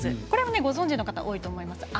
これもご存じの方、多いと思います。